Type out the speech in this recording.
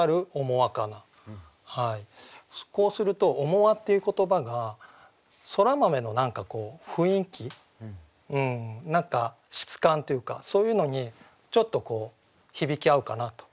こうすると「面輪」っていう言葉が「蚕豆」の何かこう雰囲気何か質感というかそういうのにちょっと響き合うかなと。